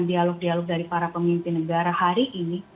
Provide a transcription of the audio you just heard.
dialog dialog dari para pemimpin negara hari ini